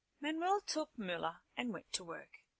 Manuel took Mula and went to work.